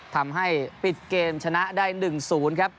ทำให้ปิดเกมชนะได้๑๐ครับ